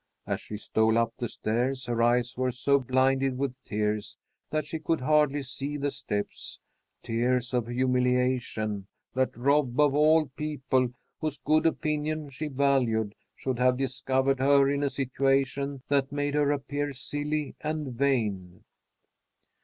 As she stole up the stairs, her eyes were so blinded with tears that she could hardly see the steps; tears of humiliation, that Rob, of all people, whose good opinion she valued, should have discovered her in a situation that made her appear silly and vain.